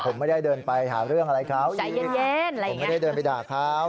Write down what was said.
ผมไม่ได้เดินไปหาเรื่องอะไรเขาผมไม่ได้เดินไปด่าเขา